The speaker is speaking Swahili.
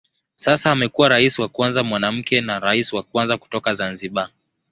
Sasa amekuwa rais wa kwanza mwanamke na rais wa kwanza kutoka Zanzibar.